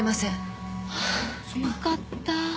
よかった。